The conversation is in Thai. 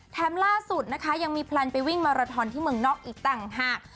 ล่าสุดนะคะยังมีแพลนไปวิ่งมาราทอนที่เมืองนอกอีกต่างหาก